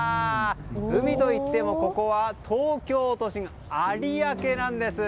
海といってもここは東京都心有明なんです。